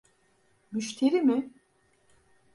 Müşteri mi?